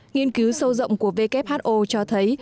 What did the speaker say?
nghiên cứu sâu rộng của who cho thấy